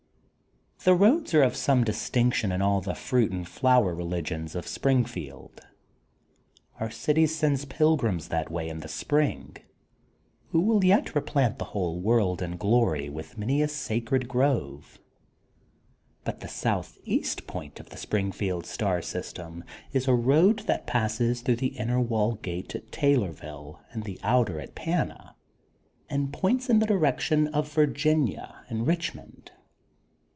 The roads are of some distinction in all the fruit and flower religions of Springfield. Our city sends pilgrims that way in the spring who will yet replant the whole world in glory with many a sacred grove. But the southeast THE GOLDEN BOOK OF SPRINGFIELD 125 point of the Springfield star system is a road that passes through the inner wall gate at Taylorville and the outer at Pana, and points in the direction of Virginia and Richmond.